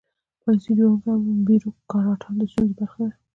پالیسي جوړوونکي او بیروکراټان د ستونزې برخه وي.